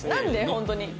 本当に。